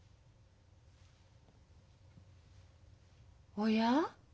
おや？